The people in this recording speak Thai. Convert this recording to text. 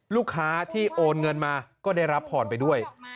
ลูกค้าที่โอนเงินมาก็ได้รับผ่อนไปด้วย